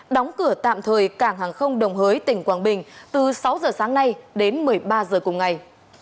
đóng cửa tạm thời cảng hàng không đồng hới tỉnh quảng bình từ sáu giờ sáng nay đến một mươi ba giờ cùng ngày